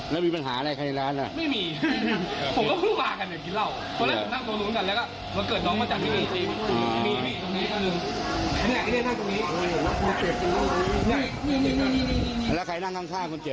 ตอนนี้นั่งต้องพยายามตั้งเครื่องนี้เลย